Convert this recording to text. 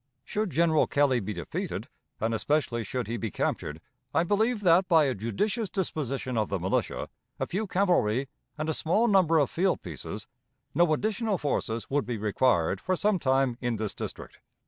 Should General Kelley be defeated, and especially should he be captured, I believe that, by a judicious disposition of the militia, a few cavalry, and a small number of field pieces, no additional forces would be required for some time in this district.